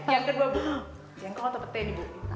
yang kedua bu jengkol atau peten